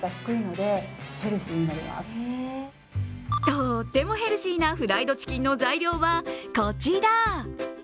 とってもヘルシーなフライドチキンの材料は、こちら。